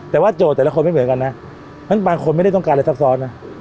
แต่ว่าโจทย์แต่ละคนไม่เหมือนกันนะเพราะฉะนั้นบางคนไม่ได้ต้องการอะไรซับซ้อนนะ